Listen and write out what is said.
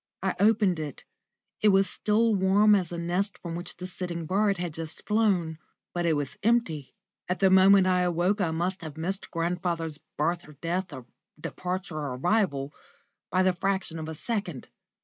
I opened it; it was still warm as a nest from which the sitting bird has just flown; but it was empty. At the moment I awoke I must have missed grandfather's birth or death, or departure or arrival, by the fraction of a second.